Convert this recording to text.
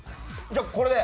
じゃあ、これで。